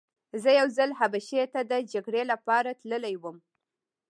زه یو ځل حبشې ته د جګړې لپاره تللی وم.